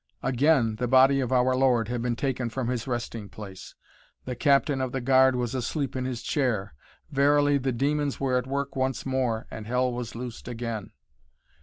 Again the Body of Our Lord had been taken from His resting place. The captain of the guard was asleep in his chair. Verily the demons were at work once more and Hell was loosed again.